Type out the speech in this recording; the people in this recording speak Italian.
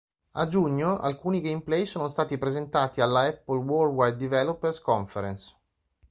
A Giugno alcuni gameplay sono stati presentati alla Apple Worldwide Developers Conference.